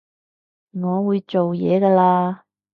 我會做嘢㗎喇